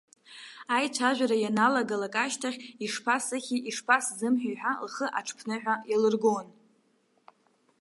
Аицәажәара ианалгалак ашьҭахь, ишԥасыхьи, ишԥасзымҳәеи ҳәа лхы аҽԥныҳәа иалыргон.